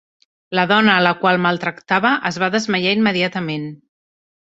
La dona a la qual maltractava es va desmaiar immediatament.